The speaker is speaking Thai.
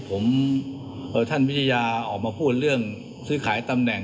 ผมท่านวิทยาออกมาพูดเรื่องซื้อขายตำแหน่ง